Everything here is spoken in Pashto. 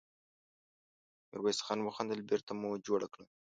ميرويس خان وخندل: بېرته مو جوړه کړه!